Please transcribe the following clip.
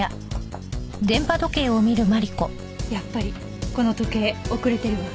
やっぱりこの時計遅れてるわ。